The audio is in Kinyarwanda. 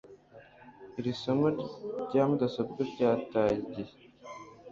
Iri somo rya mudasobwa ryataye igihe